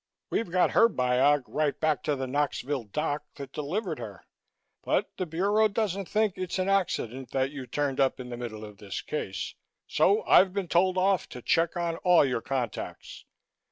We've got her biog right back to the Knoxville doc that delivered her. But the Bureau doesn't think it's an accident that you turned up in the middle of this case, so I've been told off to check on all your contacts.